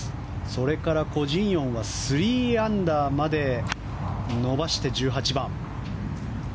それから、コ・ジンヨンは３アンダーまで伸ばして１８番。